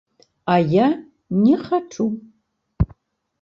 А я не хачу.